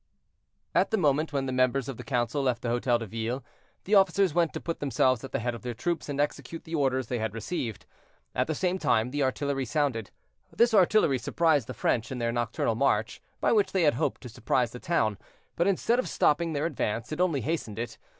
At the moment when the members of the council left the Hotel de Ville, the officers went to put themselves at the head of their troops, and execute the orders they had received. At the same time the artillery sounded. This artillery surprised the French in their nocturnal march, by which they had hoped to surprise the town; but instead of stopping their advance, it only hastened it.